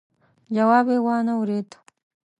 جواب يې وانه ورېد.